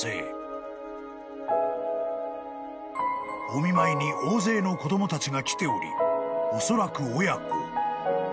［お見舞いに大勢の子供たちが来ておりおそらく親子］